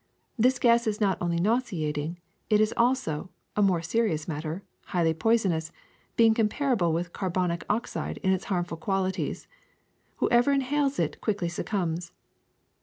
This gas is not only nauseating; it is also, a more serious matter, highly poisonous, being comparable with carbonic oxide in its harmful qualities. Whoever inhales it quickly succumbs.